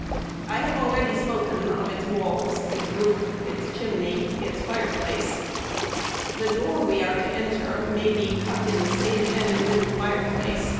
I have already spoken of its walls, its roof, its chimney, its fire place. The door we are to enter may be cut in the same end with the fire place.